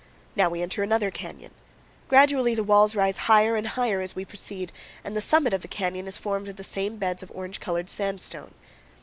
Now we enter another canyon. Gradually the walls rise higher and higher as we proceed, and the summit of the canyon is formed of the same beds of orange colored sandstone.